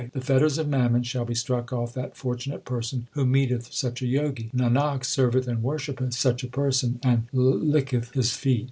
The fetters of mammon shall be struck off that fortunate person who meeteth such a Jogi. Nanak serveth and worshippeth such a person and licketh his feet.